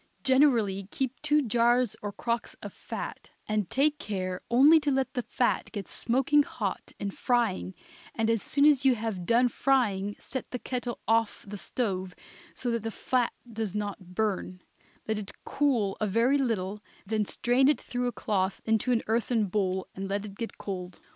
Generally keep two jars or crocks of fat, and take care only to let the fat get smoking hot in frying, and as soon as you have done frying set the kettle off the stove so that the fat does not burn; let it cool a very little, then strain it through a cloth into an earthen bowl and let it get cold.